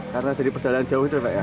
karena dari perjalanan jauh itu pak ya